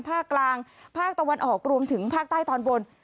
ภาคกลางภาคตะวันออกรวมถึงภาคใต้ตอนบน